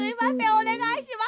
おねがいします。